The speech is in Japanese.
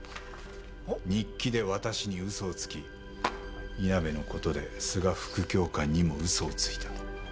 「日記で私に嘘をつき稲辺のことで須賀副教官にも嘘をついた」